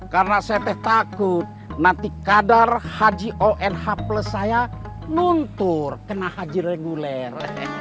karena saya teh takut nanti kadar haji onh plus saya luntur kena haji reguler